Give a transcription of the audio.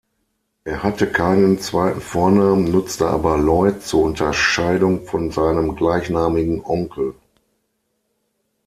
Er hatte keinen zweiten Vornamen, nutzte aber "Lloyd" zur Unterscheidung von seinem gleichnamigen Onkel.